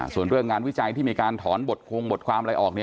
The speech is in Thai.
ส่วนเรื่องงานวิจัยที่มีการถอนบทคงบทความอะไรออก